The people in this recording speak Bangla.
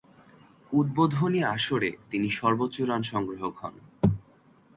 উদ্বোধনী আসরে তিনি সর্বোচ্চ রান সংগ্রাহক হন।